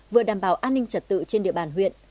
vừa đảm bảo an ninh trật tự trên địa bàn huyện